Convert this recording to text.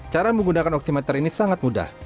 cara menggunakan oksimeter ini sangat mudah